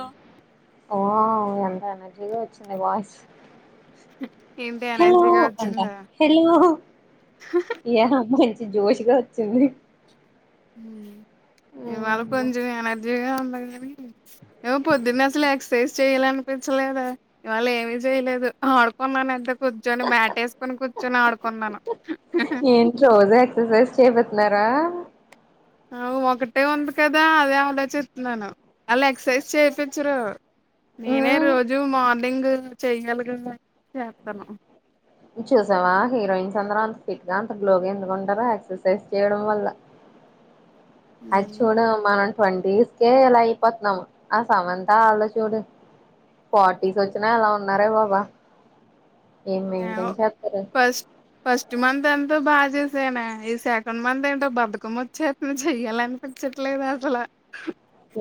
ఆ ఓ ఎంత ఎనర్జీగా వచ్చింది వాయిస్ ఏంటి హెల్లొ ఎనర్జీగా అంట వచ్చిందా హెల్లొ ఏ అమ్మాయ్ జోష్ షిగా వచ్చింది ఉమ్ ఇవాళ కొంచెం ఎనర్జీగా ఉంది ఏమో పొద్దున్న అసలు ఎక్సర్సైజ్ చెయ్యాలనిపించలేదా ఇవాళ ఏమి చేయలేదు ఆడుకున్నంతే కూర్చొని మ్యాటేసుకొని కూర్చొని ఆడుకున్నాను ఏంటి రోజు ఎక్సర్సైజ్ చేపితున్నారా ఒకటే ఉంది కదా అదే ఆలోచిస్తున్నాను అలా ఎక్సర్సైజ్ చెప్పిచరు నేనే మ్మ్ రోజూ మార్నింగ్ చెయ్యాలి కదా చేస్తాను చూసావా హీరోయిన్స్ అందరు అంత్ ఇంకా అంత గ్లోగ ఎందుకు ఉంటారు ఎక్సర్సైజ్ చేయడం వల్ల అది చూడం మనం ట్వంటీస్కే ఇలా అయిపోతున్నాం ఆ సమంతా వాళ్ళు చూడు ఫార్టీస్ వచ్చినా ఎలా ఉన్నారే బాబా ఏం ఏమో మెయింటైన్ చేస్తరు ఇదంతో బాగా చేశానే ఈ సెకండ్ మంత్ ఏంటో బతుకమ్మ వచ్చేతుంది చెయ్యాలినిపించట్లేదు ల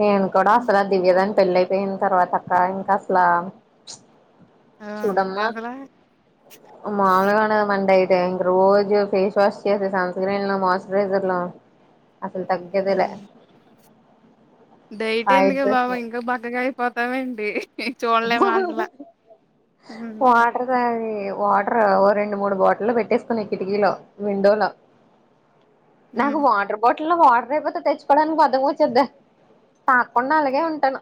నేను కూడా అసలు దివ్యదాని పెళ్లి అయిపోయిన తర్వాత అక్క ఇంకా అసల ఆ చూడమ్మ అసలా మామూలుగానే మన డైట్ ట్ ఇంక రోజు ఫేస్ వాష్ చేసే సన్ స్క్రీన్ లో మాయిశ్చరైజర్ లో అసలు తగ్గేదెలే ఉమ్, డైట్ ఎందుకే బాబు ఇంకా బక్కగా అయిపోతావెంటి హ్మ్ వాటర్ తాగ్ వాటరో ఓ రెండు మూడు బాటిల్లు పెట్టేసుకునీ కిటికీలో విండోలో నాకు హ్మ్ వాటర్ బాట్ ట్లో వాటర్ అయిపోతే తెచ్చుకోవడానికి బద్ధకం వచ్చేదే తాకుండా అలాగే ఉంటాను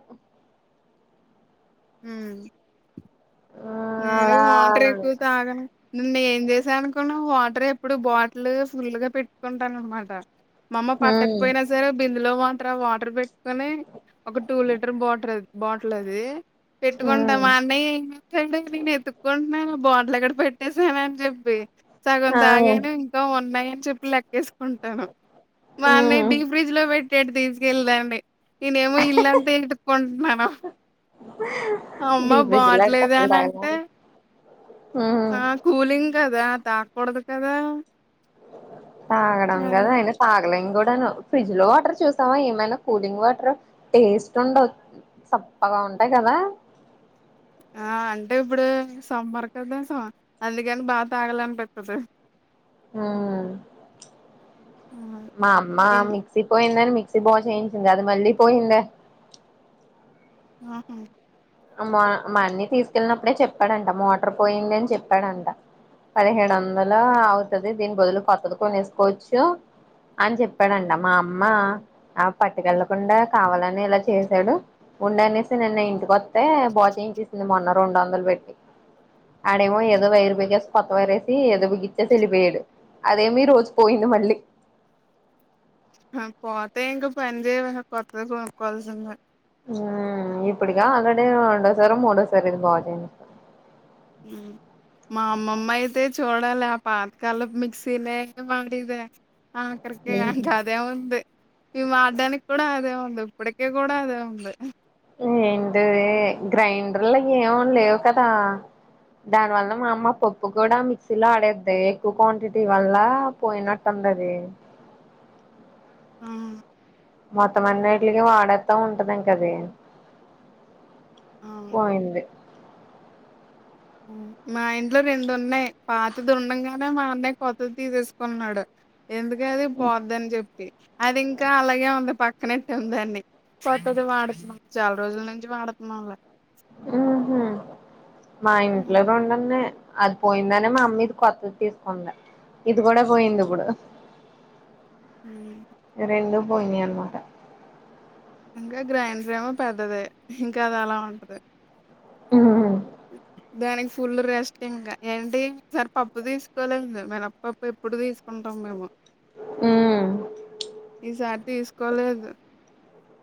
ఉమ్ నేను అలా వాటర్ ఎక్కువ తాగను నిన్న ఏం చేశా అనుకున్నావ్ వాటర్ ఎప్పుడు బాటిల్ ఫుల్ గా పెట్టుకుంటాను అనమాట మా అమ్మ ఉమ్ పట్టకపోయినా సరే బిందులో మాత్రం వాటర్ పెట్టుకొని ఒక టూ లీటర్ బాటల్ బాటిలది ఉమ్ పెట్టుకుంటామా అన్ని [unintelligible] నేను ఎతుక్కుంటున్నాను బాటల్ ఎక్కడ పెట్టేసానా అని చెప్పి సగం ఆ తాగాను ఇంకా ఉన్నాయ అని చెప్పి లెక్కేసు ఉంటనా మా అన్నయ్య ఉమ్ డి ఫ్రిడ్జ్ లో పెట్టాడు తీసుకెళ్లి దాన్ని నేనేమో ఇల్లు అంత ఎత్తుకుంటానను అమ్మా బాట్ ఉంటాయేమో ఆ కూలింగ్ కదా తాకూడదు కదా [unintelligible] అది. అయినా తాగలేం క ను ఫ్రిడ్జ్ లో వాటర్ చూసావా ఏమైనా కూలింగ్ వాటర్ టేస్ట్ ఉండవు సప్పగా ఉంటాయి కదా ఆ అంటే ఇప్పుడు సమ్మర్ కదా స అందుకని బా తాగాలనిపిస్తది ఉమ్ ఆ! మా అమ్మా ఇ మిక్సీ పోయిందని మిక్ క్స్ బో చేయించింది అది మళ్లీ పోయిందే ఆహా మా మా అన్నయ్య తీసుకెళ్ళినప్పుడే చెప్పాడంట మోటార్ పోయింది అని చెప్పాడంట పదిహేడు వందల అవుతది దీని బదులు కొత్తది కొనేసుకోవచ్చు అని చెప్పాడంట మా అమ్మ ఆ పట్టుకెళ్ళలకుండా కావాలని ఇలా చేసాడు ఉండానేసి నిన్న ఇంటి కా అతే బాచేయి చేసింది మొన్న రెండు వందలు పెట్టి ఆడేమో ఏదో వైరు బిగేస్ కొత్త వైరేసి ఏదో బిగిచేసి వెళ్ళిపోయాడు అదేమో ఈ రోజు పోయింది మళ్ళీ హూ పోతే ఇంకా పని చేయవు ఇంకా కొత్తది కొనుక్కోవాల్సిందే హుమ్ ఇప్పుడుగా ఆల్రెడీ రెండోసారి మూడోసారి ఇది బా చేయించడం హ్మ్ మా అమ్మమ్మ అయితే చూడాలి ఆ పాతకాలపు మిక్సీనే వాడేదే ఆఖరికి ఇంక ఉహు అదే అవుది మేము వాడడానికి కూడా అదే ఉంది ఇప్పటికే కూడా అదే ఉంది ఏంటి ఇది గ్రైండర్ల ఏమ లేవు కదా దాని వల్ల మా అమ్మ పప్పు కూడా మిక్సీలో ఆడేది ఎక్కువ క్వాంటిటీ వల్ల పోయినట్టు మరే ఆ మొత్తం అన్నిటికీ వాడేత్తా ఉంటది ఇంక అది అవును పోయింది ఉమ్ మా ఇంట్లో రెండు ఉన్నాయి పాతది ఉండంగానే మా అన్నయ్య కొత్తది తీసేసుకున్నాడు ఎందుకది పోద్దని చెప్పి అది ఇంకా అలాగే ఉంది పక్కనెట్టెం దాన్ని కొత్తది వాడతనం చాలా రోజుల నుంచి వాడుత నంలే ఉ హూ మా ఇంట్లో హ్మ్. [unintelligible] డున్నాయి అది పోయిందనే, మా అమ్మ ఇది కొత్తది తీసుకుంది. ఇది కూడా పోయింది ఇప్పుడు. హ్మ్. రెండూ పోయినాయి అన్మాట ఇంకా గ్రైండర్ ఏమో పెద్దదే ఇంకా అది అలా ఉంటది ఉహుహూ దానికి ఫుల్ రెస్ట్ ఇంకా, ఏంటి ఈసరి పప్పు తీసుకోలేందు! మినప్పప్పు ఎప్పుడు తీసుకుం. టాం మేము ఉ ఈసారి తీసుకోలేదు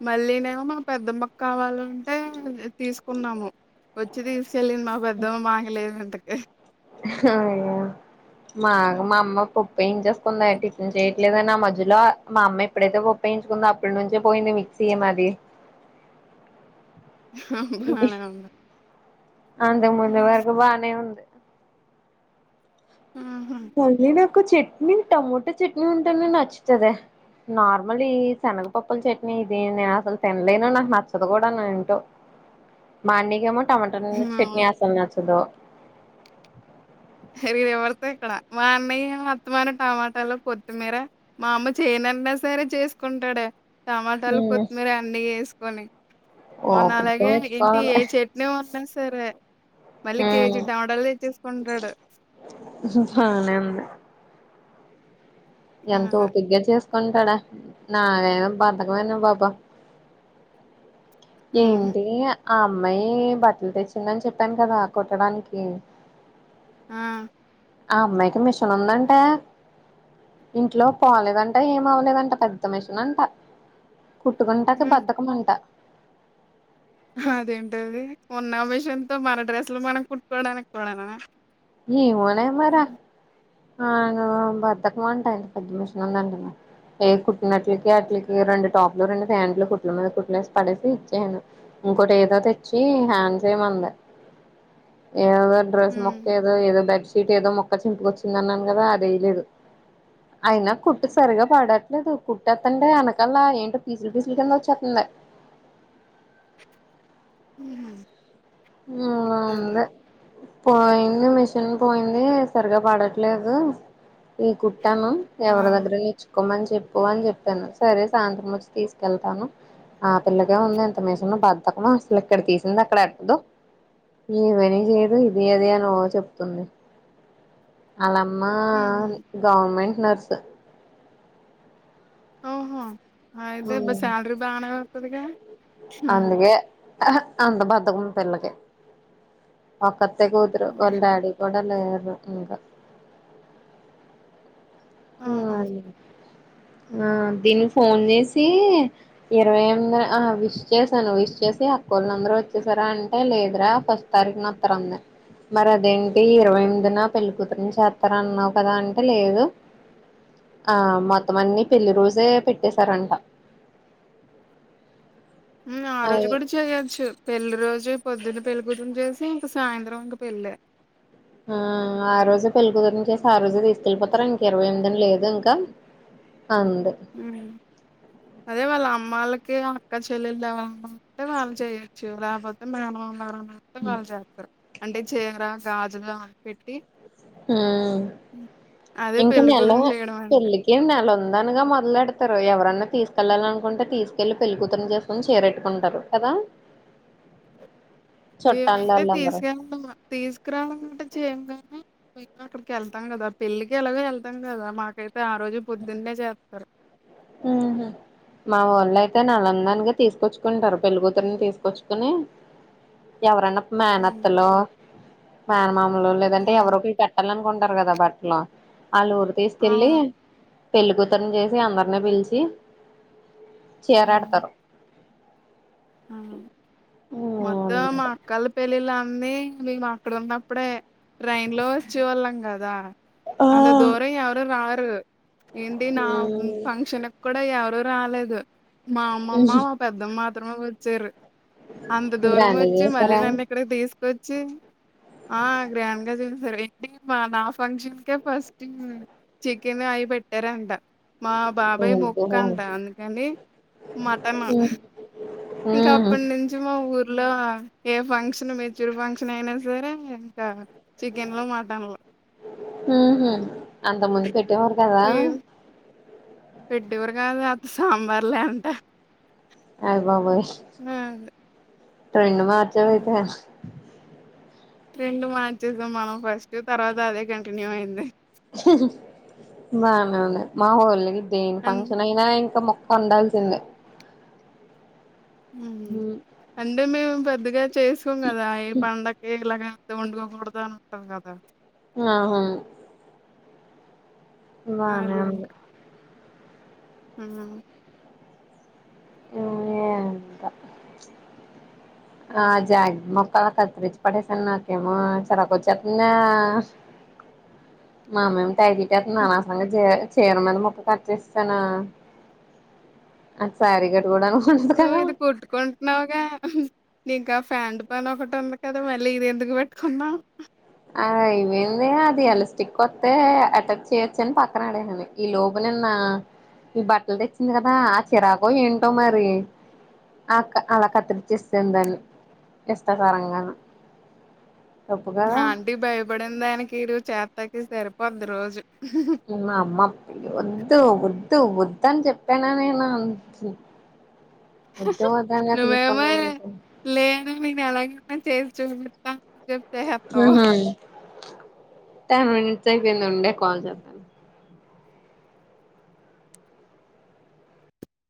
మళ్ళీ నేమో, మా పెద్దమ్మ కు కావాలంటే తీసుకున్నాము. వచ్చి తీసుకెళ్ళింది మా పెద్దమ్మ మాకి లేదు ఇంతకి అయ్యో మాగా మా అమ్మ పప్ప ఏం చేసుకుంద, టిఫన్ చేయట్లేదని ఆ మధ్యలో మా అమ్మ ఎప్పుడైతే పప్ప. ప్పేంచుకుందొ అప్పటి నుంచే పోయింది మిక్సీ మాది అవునా అంతక ముందు వరకు బానే ఉంది ఆహా కు చట్నీ టమోటా చట్నీ ఉంటునే నచ్చుతాదే. నార్మల్ ఈ శనగపప్పుల చట్నీ, ఇది నేను అసలు తినలేను నాకు నచ్చదు కూడానా ఏంటో? మా అన్నయ్యకెమో టమాట [inaudible] చట్నీ అసలు నచ్చదు. [unintelligible] రివర్స్ ఇక్కడ, మా అన్నయ్య అత్తమాన టమాటాలు, కొత్తిమీర మా అమ్మ చేయ. నన్నా సరే చేసుకుంటాడే టమాటాలు, ఉమ్ కొత్తిమీర అన్ని వేసుకొని. మొన్న ఓపిగ్గా అలాగే ఇంటి ఏ మెచ్చుకోవాలి చట్నీ ఉన్నా సరే. మళ్ళీ ఉమ్ కేజీ టమాటాలు తెచ్చేసుకుంటాడు. బానే ఉంది ఆ ఎంత ఓపిగ్గా చేస్ కొంటాడా నా దేనా బద్ధకమేనే [unintelligible] ప. హ్మ్ ఏంటి ఆ అమ్మాయి బట్టలు తెచ్చిందని, చెప్పాను కదా కుట్టడానికి. ఆ ఆ అమ్మాయికి మిషన్ ఉందంట. ఇంట్లో పోలేదంట ఏం అవ్వలేదంట పెద్ద మిషన్నంట. కుట్టుకుంటాకి బద్ధకం మంట హదేంటది ఉన్న విషన్తో మన డ్రెస్లు మనం కుట్టుకోవడానికి కూడానా? ఏమోనే మర ఆ బద్దకమంటా పేద్దమిషనుందంటన్నా ఏ కుట్టినట్లకి అట్లకి రెండు టాప్లు, రెండు ప్యాంట్లు కుట్లు మీద కుట్లేసి పడేసి ఇచేసాను. ఇంకోటి ఏదో తెచ్చి, హ్యాండ్స్ ఏమంది ఏదదో డ్రస్ మొ. హ్మ్ ఏదో బెడ్ షీట్ ఏదో ముక్క చింపుకొచ్చిందన్నాను కదా అదేయలేదు. అయినా కుట్టు సరిగా పాడట్లేదు, కుట్టాత్తంటే ఎనకల్లా ఏంటో పీసిలు, పీసులు కింద వచ్చత్తంది. ఉహు ఆ ఉంది పోయింది మిషన్ పోయింది సరిగా పడట్లేదు. ఈ కుట్టను ఆ ఎవరి దగ్గరనిచ్చు కొమ్మని చెప్పు అని చెప్పాను సరే సాయంత్రం వచ్చి తీసుకెళ్తాను. ఆ పిల్లకే ఉందంట మిషన్ బద్ద్దకము అసలు ఇక్కడ తీసింది అక్కడ యట్టదు. ఏవని చేయదు ఇది అది అనో చెప్తుంది. అలామ్మ హుహు గవర్నమెంట్ నర్స్. ఓహో అయితే బా సాలరి బానే వతుదిగా. అందుకే అంత బద్ధకం పిల్లకి ఒక్క. అత్తే కూతురు హ్మ్ వల్లడాడి [unintelligible] ఇంకా. మ్మ్ ఆహా ఆ ఆ దీని ఫోన్ చేసి ఇరవై ఎనిమిది ఆ విష్ చేశాను విష్ చే వచ్చసి అక్కోళ్ళందరుూ వచ్చేసారా అంటే లేదురా ఫస్ట్ తారీఖునొత్తారంది మరి అదేంటి ఇరవై ఎనిమిది నా పెళ్లిికతురిని చేస్తార అన్నావు కదా అంటే లేదు ఆ మొతం అన్నిీ పెళ్లిి రోజే పెట్టేశారంట ఆ రోజు అయి కూడా చేయచ్చు పెళ్లి రోజె పొద్దున్న పెళ్ళగుతుని చేసి ఇంక సాయంత్రం ఇంక పెళ్ళ ఆ ఆ రోజే పెళ్ళికతురిని చేసి ఆ రోజే తీసుకెళ్ళిపోతారా ఇంక ఇరవై ఎనిమిదిని లేదు ఇంకా అ హమ్ అదేవళ్ళ అ వాళ్లకి అక్క చెల్లెలు ఎవరైనా ఉంటే వాళ్ళు చేయొచ్చు లేకపోతే మేనమామ మొత్తం వాళ్ళు చేస్తారు అంటే చీర గాజులు అవి పెట్టి మ్మ్ అదే ఇంకా పెళ్లి నెల కూతురుని చేయడం అంటే పెళ్ళికి నెల ఉందనగా మొ మొదలుడతారు ఎవరన్నా తీసుకెళ్లాలనుకుంటే తీసుకెళ్లి పెళ్లి కూతురుని చేసుకుొని చేరెట్టుకుంటారు కదా మేమైతే చుట్టాలోళ్ళందరూ తీసుకెళ్ళమా తీసుకురావాలంటే చీర కానీ అక్కడికి వెళ్తాం కదా పెళ్లికి ఎలాగో వెళ్తాం కదా మాకైతే ఆ రోజు పొద్దున్నే చేస్తారు ఉమ్మ్ మావల్ ఇలయితే నల్లందానిగా తీసుకొచ్చుకుంటారు పెళ్ళ కూతురిని తీసుకొచ్చుకుని ఎవరన్నా ఉమ్. మేనత్తలో మేనమాములో లేదంటే ఆ ఎవరోకలు పెట్టాలని కుంటారు కదా బట్టలో ఆళ్ ఊరు తీసుకెళ్ళి అవును పెళ్ళ కూతురుని చేసి అందరినే పిలిచి ఉమ్, చీరాడతారు మొత్తం మా అక్కల పేళ్లిలా నై మేము అక్కడ ఉన్నప్పుడే ట్రైన్ లో వచ్చే వాళ్ళం కదా అంత దూరం ఎవరు రారు ఏంటి నా ఫంక్షన్ కూడా ఎవరు రాలేదు మా అమ్మమ్మ మా పెద్దమ్ మాత్రమే వచ్చారు అంత దూరం గ్రాండ్ గా వచ్చి మళ్ళీ నన్ను చేసారా ఇక్కడికి తీసుకొచ్చి ఆ గ్రాండ్ గా జరిగింది మరి ఏంటి మా నా ఫంక్షన్కే ఫస్ట్ చికెన్ అయి పెట్టారంట మా బాబాయ్ మొక్కు అంట అందుకనే మటన్ ఇంకా ఉహు అప్పటి నుంచి మా ఊర్లో ఏ ఫంక్షన్ మెచూ ఫంక్షన్ అయినా సరే ఇంకా చికెన్లు మటన్లు ఉమ్మా అంతకుముందు పెట్టేవారు కదా ఇవి పెట్టేవారు కాదు సాంబార్ లే అంత హాయ్ బాబోయ్ ట్రెండ్ మార్చారు అయితే రెండు మార్చేశాం మనం ఫస్ట్ తర్వాత అదే కంటిన్యూ అయింది బానే ఉంది మా హోళకి దేని అం ఫంక్షన్ అయినా ఇంకా మొక్క ఉండాల్సిందే ఉమ్, అంటే మేము పెద్దగా చేసుకోం కదా ఏ పండకి ఇలాగ అ వండుకోకూడదు అనుకుంటారు కదా ఆహా బానే ఉంది ఊమ్మ్ మ్మ్ ఏంటో ఆ జాకెట్ మొక్క ఆలా కత్రించి పడెసాను నాకేమో చిరకు వచ్చేస్తుంది మామంత [unintelligible] అనవసరంగా చీర మీద ముక్క కట్ చేసేసాను అది సారీ కట్టుకోదానికి కూడా నువ్వేది కొట్టుకుంటున్నావుగా నింకా ఫ్యాంట్ పని ఒకటి ఉంది కదా మళ్ళీ ఇది ఎందుకు పెట్టుకున్నావు ఆ ఇవి ఏందే అది ఎలస్టిక్ కొ అయితే అటాక్ చేయొచ్చ అని పక్కన అడేను ఈ లోపు నిన్న ఈ బట్టలు తెచ్చింది కదా ఆ చిరాకు ఏంటో మరి ఆ అలా కత్తిరిచస్తుందను ఇష్టకరంగాను తప్పు కదా ఈ భయపడిన దానికి ఈరోజు చేత్తకి సరిపోద్ది రోజు ఇమ్మ అమ్మమ్ వద్దు వద్ వద్దు వద్దు అని చెప్పానా నేను అన్ చు నువ్వేమో లేదు నేను ఎలాగ చేసి చూడన్ చెప్పుతే హెతావో టెన్ మినిట్స్ అయిపోయింది ఉండే కాల్ చేద్దాను